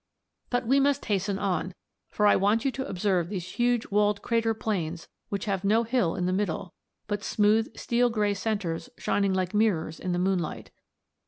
] "But we must hasten on, for I want you to observe those huge walled crater plains which have no hill in the middle, but smooth steel grey centres shining like mirrors in the moonlight.